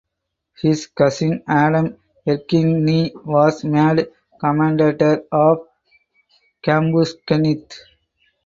His cousin Adam Erskine was made Commendator of Cambuskenneth.